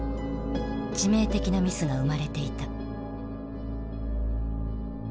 致命的なミスが生まれていた。